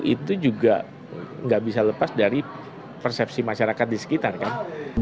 itu juga nggak bisa lepas dari persepsi masyarakat di sekitar kan